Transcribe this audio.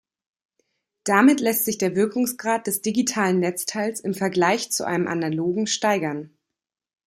Damit lässt sich der Wirkungsgrad des digitalen Netzteils im Vergleich zu einem Analogen steigern.